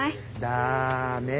ダメ。